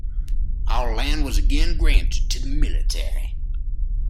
All land was again granted to the military.